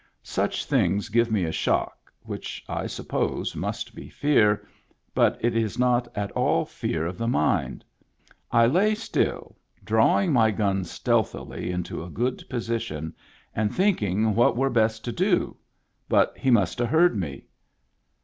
Such things give me a shock, which, I suppose, must be fear, but it is not at all fear of the mind. I lay still, drawing my gun stealthily into a good position and think ing what were best to do ; but he must have heard me.